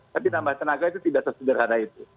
tapi nambah tenaga itu tidak sesederhana itu